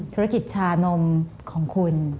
ธุรกิจชานมของคุณ